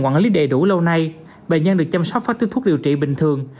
quản lý đầy đủ lâu nay bệnh nhân được chăm sóc phát tước thuốc điều trị bình thường